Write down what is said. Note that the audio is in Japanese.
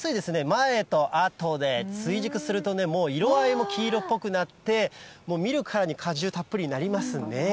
前とあとで追熟するとね、もう色合いも黄色っぽくなって、見るからに果汁たっぷりになりますね。